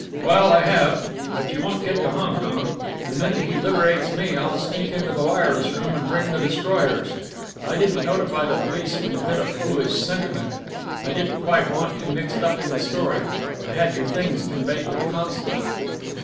"Well, I have. But you won't get to Hong Kong. The minute he liberates me I'll sneak into the wireless room and bring the destroyers. I didn't notify the police from a bit of foolish sentiment. I didn't quite want you mixed up in the story. I had your things conveyed to the consulate."